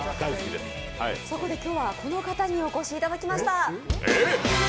そこで今日はこの方にお越しいただきました。